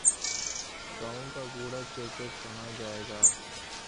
گاؤں کا کوڑا کرکٹ کہاں جائے گا۔